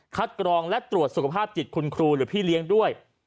กรองและตรวจสุขภาพจิตคุณครูหรือพี่เลี้ยงด้วย